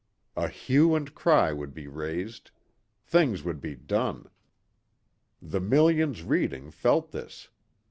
A hue and cry would be raised. Things would be done. The millions reading felt this.